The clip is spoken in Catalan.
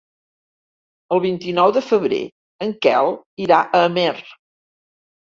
El vint-i-nou de febrer en Quel irà a Amer.